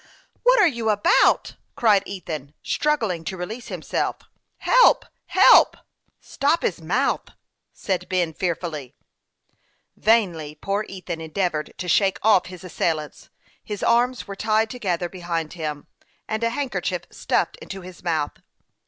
" What are you about ?" cried Ethan, struggling to release himself. " Help ! help !" 284 HASTE AND WASTE, OR " Stop his mouth !" said Ben, fearfully. Vainly poor Ethan endeavored to shake off his assailants ; his arms were tied together behind him, and a handkerchief stuffed into his mouth.